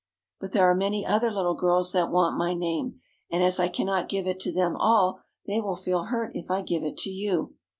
"But there are many other little girls that want my name, and as I cannot give it to them all, they will feel hurt if I give it to you."